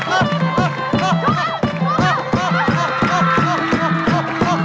โอ้โฮ